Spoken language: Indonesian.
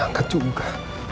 buka bisa dibuka